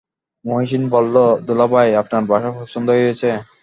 মহসিন বলল, দুলাভাই, আপনার বাসা পছন্দ হয়েছে?